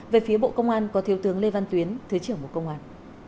về phía bộ công an có thiếu tướng lê văn tuyến thứ trưởng bộ công an